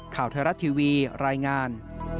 ข่าวไทยรัฐทีวีรายงาน